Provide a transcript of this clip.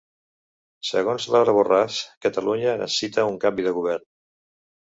Segons Laura Borràs, Catalunya necessita un canvi de govern.